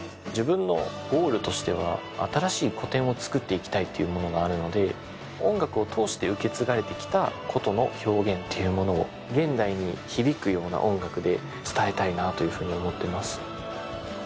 自分のゴールとしては新しい古典をつくっていきたいっていうものがあるので音楽を通して受け継がれてきた筝の表現っていうものを現代に響くような音楽で伝えたいなというふうに思ってます。